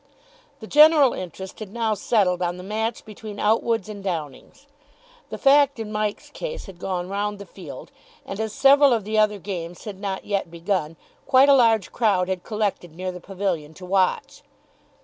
The general interest had now settled on the match between Outwood's and Downing's. The fact in Mike's case had gone round the field, and, as several of the other games had not yet begun, quite a large crowd had collected near the pavilion to watch.